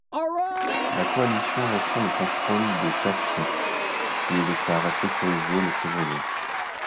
La coalition reprend le contrôle de Khafji, qui est déclarée sécurisée le février.